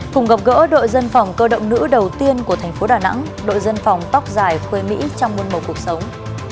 cùng gặp gỡ đội dân phòng cơ động nữ đầu tiên của thành phố đà nẵng đội dân phòng tóc dài khuê mỹ trong muôn màu cuộc sống